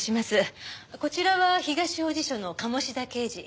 こちらは東王子署の鴨志田刑事。